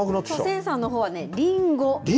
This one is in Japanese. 千さんのほうはね、りんご？